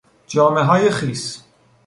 جامههای خیس